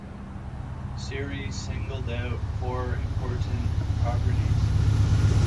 Serre singled out four important properties.